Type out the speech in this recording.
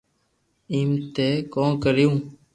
ايم ٿي ڪون ڪريو